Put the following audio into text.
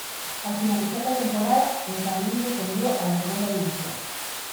Al finalizar la temporada el San Luis descendió a la Segunda División.